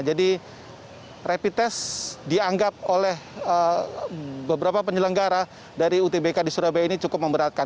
jadi rapid test dianggap oleh beberapa penyelenggara dari utbk di surabaya ini cukup memberatkan